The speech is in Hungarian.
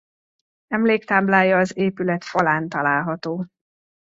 Emléktáblája az épület falán található.